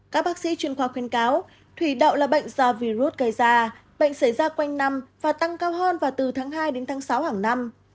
các bác sĩ chuyên khoa khuyên cáo thủy đậu là bệnh do virus gây ra bệnh xảy ra quanh năm và tăng cao hơn và từ tháng hai đến tháng sáu hàng năm